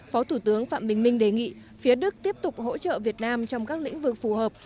phó thủ tướng phạm bình minh đề nghị phía đức tiếp tục hỗ trợ việt nam trong các lĩnh vực phù hợp